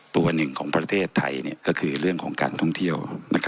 ตัวหนึ่งของประเทศไทยก็คือเรื่องของการท่องเที่ยว